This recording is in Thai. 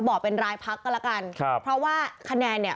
บอกเป็นรายพักก็ละกัน